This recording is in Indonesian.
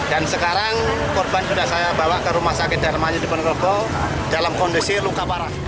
dan sekarang korban sudah saya bawa ke rumah sakit darmayu ponorogo dalam kondisi luka parah